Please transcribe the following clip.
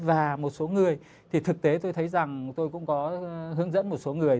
và một số người thì thực tế tôi thấy rằng tôi cũng có hướng dẫn một số người